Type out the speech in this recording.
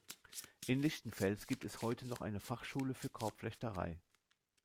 In Lichtenfels gibt es heute noch eine Fachschule für Korbflechterei.